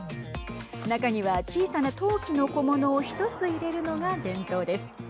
中には小さな陶器の小物を１つ入れるのが伝統です。